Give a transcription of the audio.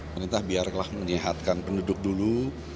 perintah biarlah menyehatkan penduduk dulu